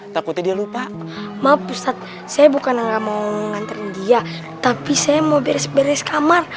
takutnya dia lupa maaf pusat saya bukan nggak mau nganterin dia tapi saya mau beres beres kamar